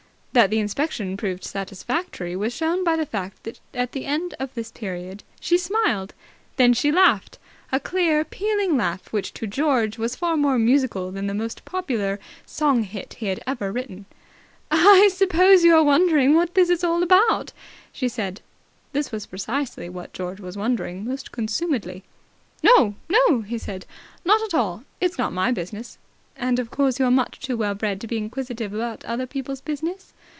That the inspection proved satisfactory was shown by the fact that at the end of this period she smiled. Then she laughed, a clear pealing laugh which to George was far more musical than the most popular song hit he had ever written. "I suppose you are wondering what it's all about?" she said. This was precisely what George was wondering most consumedly. "No, no," he said. "Not at all. It's not my business." "And of course you're much too well bred to be inquisitive about other people's business?"